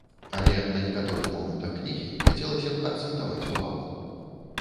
Але на некаторых момантах кнігі хацелася б акцэнтаваць увагу.